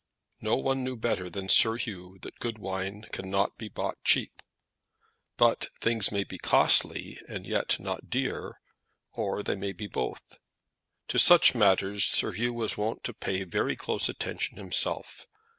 No one knew better than Sir Hugh that good wine cannot be bought cheap, but things may be costly and yet not dear; or they may be both. To such matters Sir Hugh was wont to pay very close attention himself.